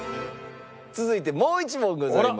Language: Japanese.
続いてもう１問ございます。